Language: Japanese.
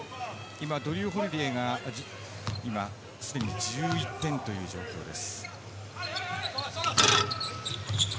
ドリュー・ホリデイがすでに１１点という状況です。